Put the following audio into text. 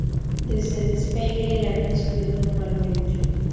Desde el despegue, el avión subió normalmente.